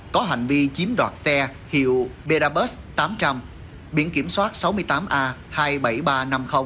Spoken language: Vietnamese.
có hành vi chiếm đoạt xe hiệu berabus tám trăm linh biển kiểm soát sáu mươi tám a hai mươi bảy nghìn ba trăm năm mươi